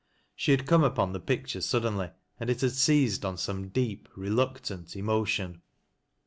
She had come upon the picture suddenly, and it had seized on •ome deep, reluctant emotion.